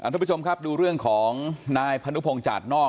ทุกผู้ชมครับดูเรื่องของนายพนุพงศาสนอก